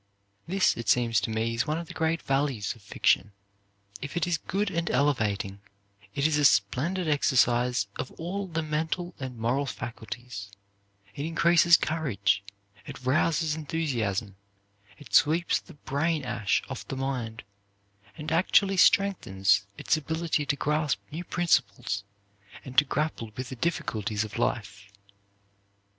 This, it seems to me, is one of the great values of fiction. If it is good and elevating, it is a splendid exercise of all the mental and moral faculties; it increases courage; it rouses enthusiasm; it sweeps the brain ash off the mind, and actually strengthens its ability to grasp new principles and to grapple with the difficulties of life.